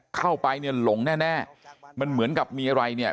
เข้าไปเนี่ยหลงแน่แน่มันเหมือนกับมีอะไรเนี่ย